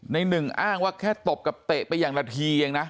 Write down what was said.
หนึ่งอ้างว่าแค่ตบกับเตะไปอย่างละทีเองนะ